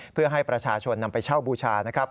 เพื่อให้ประชาชนนำไปเช่าบูชานะครับ